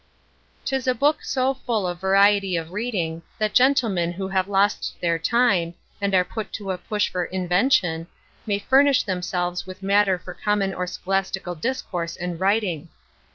'Tis a book so full of variety of reading, that gentlemen who have lost their time, and are put to a push for invention, may furnish themselves with matter for common or scholastical discourse and writing.